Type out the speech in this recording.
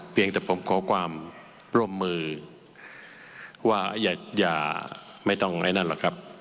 เพียงแต่ผมขอความร่วมมือว่าอย่าไม่ต้องไอ้นั่นหรอกครับ